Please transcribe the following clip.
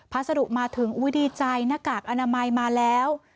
พัสดุมาถึงดีใจหน้ากากอนามัยมาแล้ว